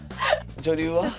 女流は？